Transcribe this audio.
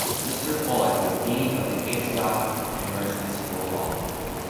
Mr. Pollack was Dean of the Antioch University School of Law.